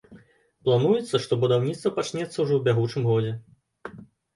Плануецца, што будаўніцтва пачнецца ўжо ў бягучым годзе.